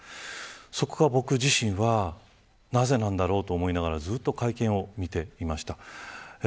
そこは僕自身はなぜなんだろうと思いながらずっと会見を見ていました。